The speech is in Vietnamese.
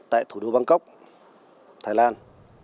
tại thủ đô bangkok thái lan